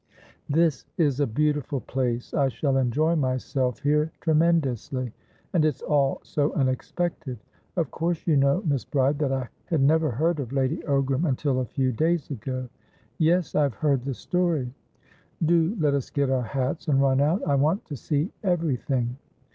"This is a beautiful place! I shall enjoy myself here tremendously! And it's all so unexpected. Of course you know, Miss Bride, that I had never heard of Lady Ogram until a few days ago?" "Yes, I have heard the story." "Do let us get our hats and run out. I want to see everything."